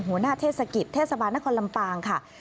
เทศกิจเทศบาลนครลำปางค่ะ